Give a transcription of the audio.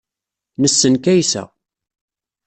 Nessen Kaysa.